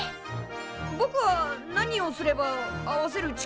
ぼくは何をすれば合わせる力が。